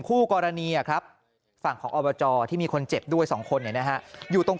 คู่กรณีครับฝั่งของอบจที่มีคนเจ็บด้วย๒คนอยู่ตรง